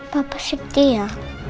papa sedih ya